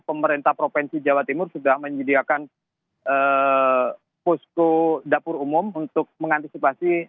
pemerintah provinsi jawa timur sudah menyediakan posko dapur umum untuk mengantisipasi